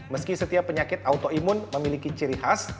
meski setiap penyakit autoimun memiliki ciri khas